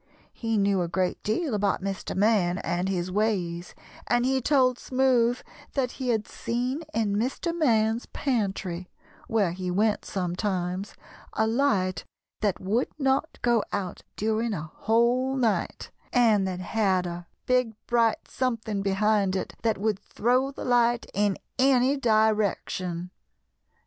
He knew a great deal about Mr. Man and his ways, and he told Smoothe that he had seen in Mr. Man's pantry, where he went sometimes, a light that would not go out during a whole night, and that had a big bright something behind it that would throw the light in any direction.